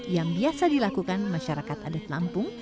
yang biasa dilakukan masyarakat adat lampung